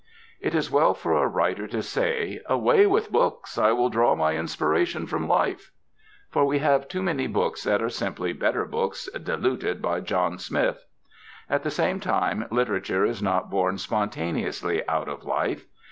It is well for a writer to say: "Away with books! I will draw my inspiration from life!" For we have too many books that are simply better books diluted by John Smith. At the same time, literature is not born spontaneously out of life.